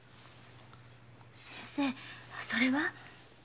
先生それは？